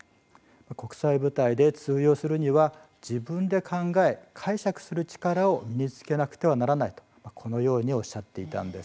国際舞台で通用するには自分で考え解釈する力を身につけなくてはならないこのようにおっしゃっていたんです。